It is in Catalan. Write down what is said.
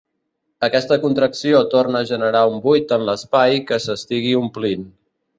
Aquesta contracció torna a generar un buit en l'espai que s'estigui omplint.